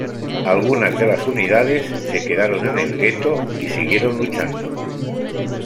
Algunas de las unidades se quedaron en el gueto y siguieron luchando.